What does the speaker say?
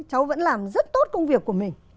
cháu vẫn làm rất tốt công việc của mình